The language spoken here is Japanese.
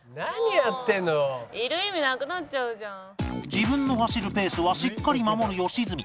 自分の走るペースはしっかり守る良純